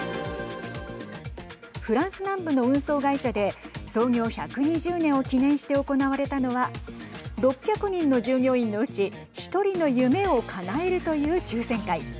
フランス南部の運送会社で創業１２０年を記念して行われたのは６００人の従業員のうち１人の夢をかなえるという抽せん会。